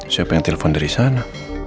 siapa yang telepon dari sana